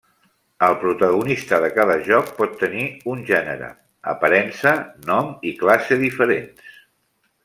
El protagonista de cada joc pot tenir un gènere, aparença, nom i classe diferents.